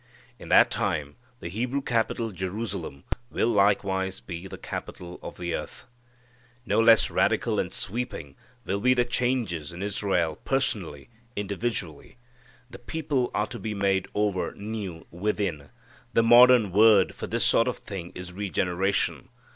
In that time the Hebrew capital Jerusalem will likewise be the capital of the earth. No less radical and sweeping will be the changes in Israel personally, individually. The people are to be made over new within. The modern word for this sort of thing is regeneration.